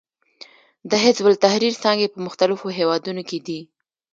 د حزب التحریر څانګې په مختلفو هېوادونو کې دي.